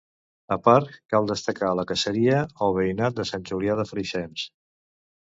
A part, cal destacar la caseria o veïnat de Sant Julià de Fréixens.